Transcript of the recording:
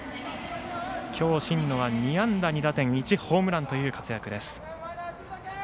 今日新野は２安打２打点１ホームランという活躍です。